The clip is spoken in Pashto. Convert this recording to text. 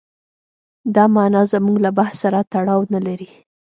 دا معنا زموږ له بحث سره تړاو نه لري.